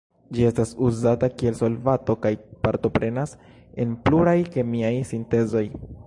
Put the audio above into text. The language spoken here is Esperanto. Ĝi estas uzata kiel solvanto kaj partoprenas en pluraj kemiaj sintezoj.